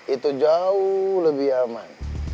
itu jauh lebih aman